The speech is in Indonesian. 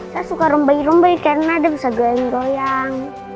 saya suka romba romba karena ada besar goyang goyang